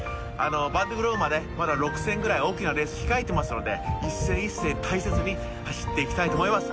ヴァンデ・グローブまでまだ６戦ぐらい大きなレース控えてますので一戦一戦大切に走っていきたいと思います。